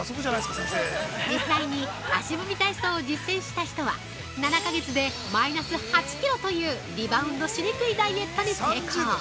◆実際に、足踏み体操を実践した人は７か月でマイナス８キロというリバウンドしにくいダイエットに成功！